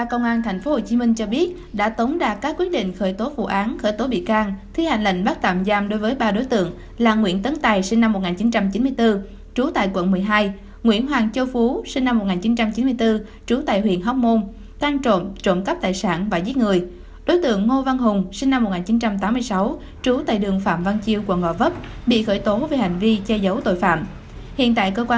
công an tp hcm đã tống đạt quyết định khởi tố vụ án khởi tố bị can thi hành lệnh bắt tạm giam đối với ba đối tượng trong vụ nhóm trộm đâm năm hiệp sĩ thường phong ở đường cách mạng tháng năm vừa qua